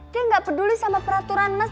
dia nggak peduli sama peraturan mas